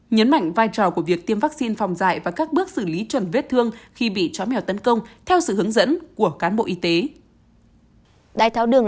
nhấn mạnh vai trò của việc tiêm vaccine phòng dạy và các bước xử lý trần vết thương